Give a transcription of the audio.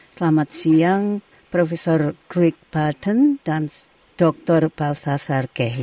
selamat siang profesor greg barton dan dr balthasar kehi